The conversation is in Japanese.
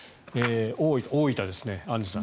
大分ですね、アンジュさん。